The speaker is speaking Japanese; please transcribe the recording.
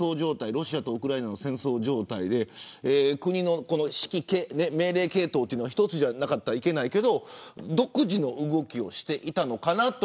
ロシアとウクライナの戦争状態で国の指揮命令系統は一つじゃなかったらいけないけど独自の動きをしていたのかなと。